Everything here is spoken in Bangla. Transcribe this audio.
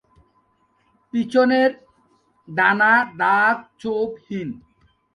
পিছনের ডানা দাগ-ছোপ হীন।